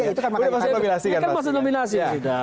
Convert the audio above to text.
ya itu kan masuk nominasi